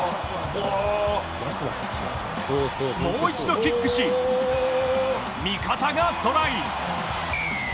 もう一度キックし味方がトライ！